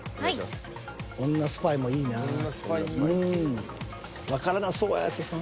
女スパイもいいなぁうん。